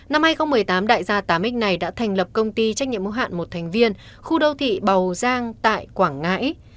năm hai nghìn một mươi tám đại gia tám x này đã thành lập công ty trách nhiệm mô hạn một thành viên khu đô thị bầu giang tại quảng ngãi